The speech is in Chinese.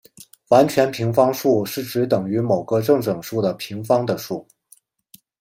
完全平方数是指等于某个正整数的平方的数。